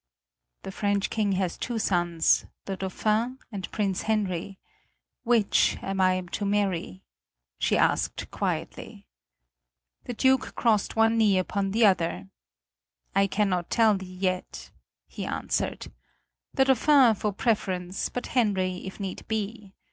"The French King has two sons, the Dauphin and Prince Henry. Which am I to marry?" she asked quietly. The Duke crossed one knee upon the other. "I cannot tell thee yet," he answered. "The Dauphin for preference, but Henry if need be.